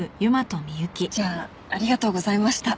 じゃあありがとうございました。